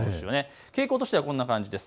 傾向としてはこんな感じです。